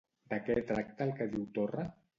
De què tracta el que diu Torra?